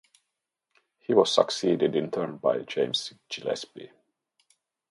He was succeeded in turn by James Gillespie.